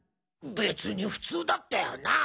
別に普通だったよな？